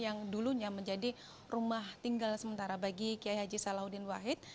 yang dulunya menjadi rumah tinggal sementara bagi kiai haji salahuddin wahid